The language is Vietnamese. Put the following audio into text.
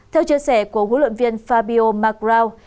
theo chia sẻ của huấn luyện viên fabio mcgrath